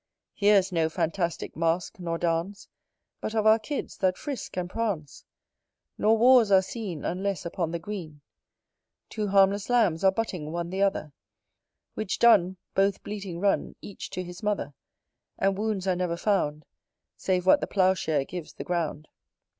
Here's no fantastick mask, nor dance, But of our kids that frisk and prance; Nor wars are seen Unless upon the green Two harmless lambs are butting one the other, Which done, both bleating run, each to his mother And wounds are never found, Save what the plough share gives the ground.